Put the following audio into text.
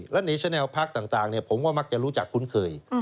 และหนีชะแลลพักต่างผมก็มักจะรู้จักคุ้นเคย